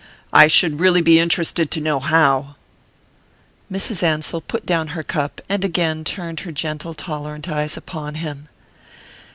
"I should really be interested to know how!" Mrs. Ansell put down her cup, and again turned her gentle tolerant eyes upon him.